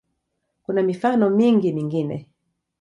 Kuna mifano mingi mingine.